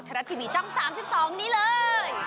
รัฐทีวีช่อง๓๒นี้เลย